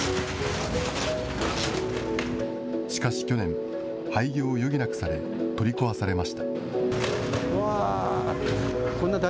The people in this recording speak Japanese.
しかし去年、廃業を余儀なくされ、取り壊されました。